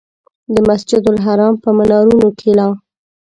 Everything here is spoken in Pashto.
د مسجدالحرام په منارونو کې لا.